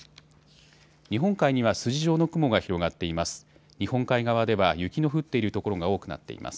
日本海には筋状の雲が広がっています。